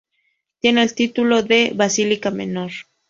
Tiene el título de Basílica Menor.